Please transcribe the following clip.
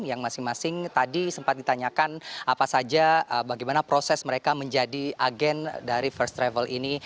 yang masing masing tadi sempat ditanyakan apa saja bagaimana proses mereka menjadi agen dari first travel ini